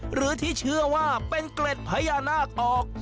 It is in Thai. หรือที่เชื่อว่าเป็นเกล็ดพญานาคออก